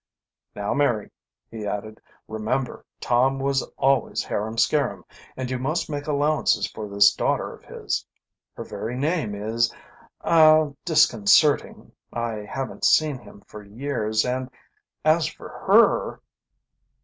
"Now, Mary," he added, "remember Tom was always harum scarum, and you must make allowances for this daughter of his. Her very name is ah disconcerting. I haven't seen him for years, and as for her...."